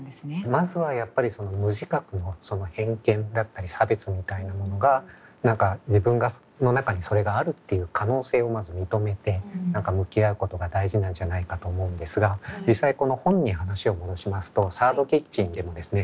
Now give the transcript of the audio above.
まずはやっぱりその無自覚の偏見だったり差別みたいなものが何か自分の中にそれがあるっていう可能性をまず認めて何か向き合うことが大事なんじゃないかと思うんですが実際この本に話を戻しますと「サード・キッチン」でもですね